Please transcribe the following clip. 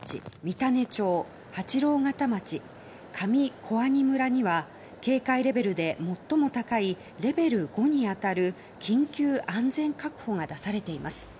現在秋田市、能代市、五城目町三種町、八郎潟町上小阿仁村には警戒レベルで最も高いレベル５に当たる緊急安全確保が出されています。